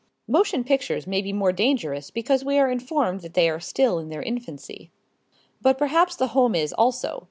Motion pictures may be more dangerous because we are informed that they are still in their infancy. But perhaps the home is also.